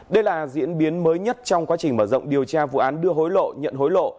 đây là diễn biến mới nhất trong quá trình mở rộng điều tra vụ án đưa hối lộ nhận hối lộ